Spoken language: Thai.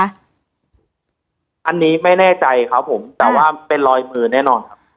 อันนี้ไม่แน่ใจครับผมแต่ว่าเป็นรอยมือแน่นอนครับ